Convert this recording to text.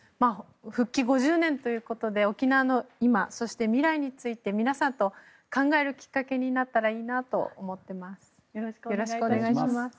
復帰５０年ということで沖縄の今そして未来について皆さんと考えるきっかけになったらいいなと思っています。